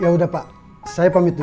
yaudah pak saya pamit dulu